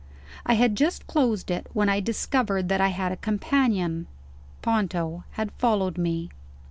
I had just closed it, when I discovered that I had a companion. Ponto had followed me.